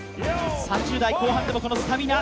３０代後半でもこのスタミナ。